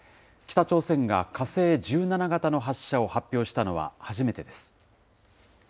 北朝鮮が火星１７型の発射を発表したのは初めてです。